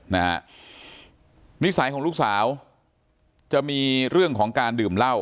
นิสัยของลูกสาวจะมีเรื่องของการดื่มเหล้า